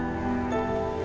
aku mau ke rumah